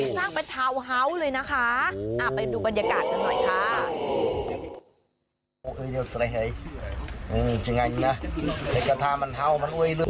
สร้างเป็นทาวน์เฮาส์เลยนะคะไปดูบรรยากาศกันหน่อยค่ะ